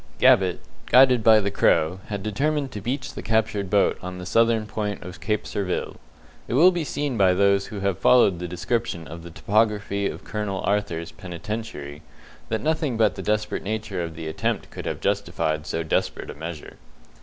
Gabbett, guided by the Crow, had determined to beach the captured boat on the southern point of Cape Surville. It will be seen by those who have followed the description of the topography of Colonel Arthur's Penitentiary, that nothing but the desperate nature of the attempt could have justified so desperate a measure.